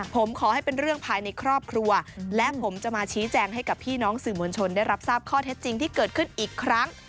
ผมขอให้เป็นเรื่องภายในครอบครัวและผมจะมาชี้แจงให้กับพี่น้องสื่อมวลชนได้รับทราบข้อเท็จจริงที่เกิดขึ้นอีกครั้ง